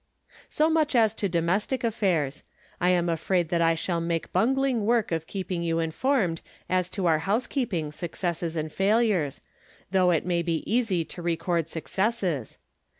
So much as to domestic affairs. I am afraid that I shall make bungling work of keeping you informed as to our housekeeping successes and failures* though it may be easy to record successes